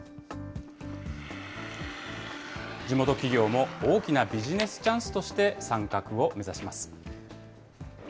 地元企業も大きなビジネスチャンスとして参画を目指します。